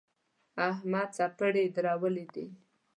احمد څپری درولی دی.